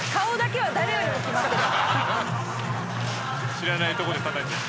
知らないとこで叩いてる。